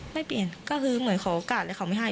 ไม่เปลี่ยนก็คือเหมือนขอโอกาสเลยเขาไม่ให้